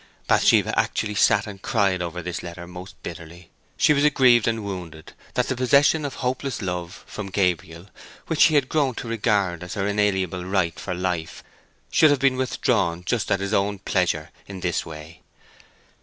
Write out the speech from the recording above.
Bathsheba actually sat and cried over this letter most bitterly. She was aggrieved and wounded that the possession of hopeless love from Gabriel, which she had grown to regard as her inalienable right for life, should have been withdrawn just at his own pleasure in this way.